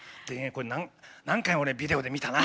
これ何回もビデオで見たな。